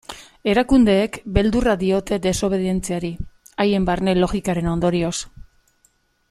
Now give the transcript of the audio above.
Erakundeek beldurra diote desobeditzeari, haien barne logikaren ondorioz.